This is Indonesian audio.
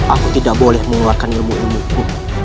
aku tidak boleh mengeluarkan ilmu ilmu itu